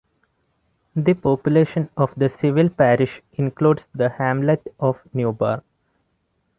The population of the civil parish includes the hamlet of Newbarn.